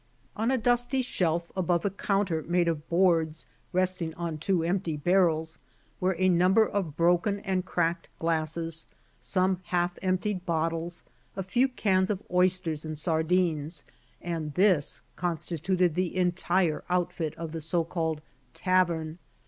On a dusty shelf above a counter made of boards resting on two empty barrels were a number of broken and cracked glasses, some half emptied bottles, a few cans of oysters and sar dines, and this constituted the entire outfit of the so called "Tavern."